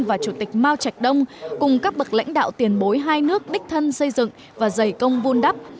và chủ tịch mao trạch đông cùng các bậc lãnh đạo tiền bối hai nước đích thân xây dựng và dày công vun đắp